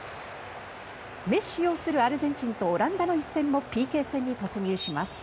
メッシ擁するアルゼンチンとオランダの一戦もＰＫ戦に突入します。